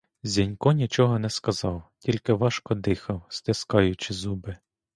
Зінько нічого не сказав, тільки важко дихав, стискаючи зуби.